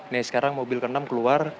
nih sekarang mobil ke enam keluar